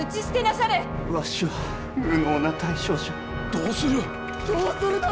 どうすると！？